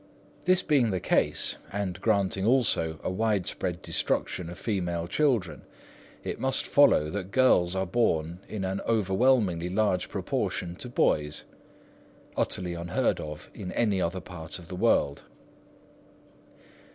This being the case, and granting also a widespread destruction of female children, it must follow that girls are born in an overwhelmingly large proportion to boys, utterly unheard of in any other part of the world.